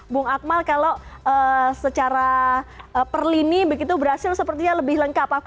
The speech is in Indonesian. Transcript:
bung akmal kalau secara perlini begitu brazil sepertinya lebih lengkap